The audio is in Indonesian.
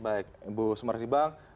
baik bu sumarsi bang